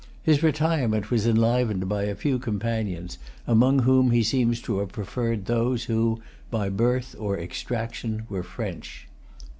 His retirement was enlivened by a few companions, among whom he seems to have preferred those who, by birth or extraction, were French.